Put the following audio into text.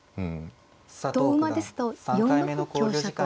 同馬ですと４六香車と。